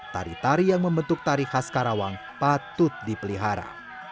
tari tari yang membentuk tari khas karawang patut dipelihara